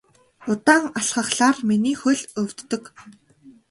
Удаан алхахлаар миний хөл өвддөг.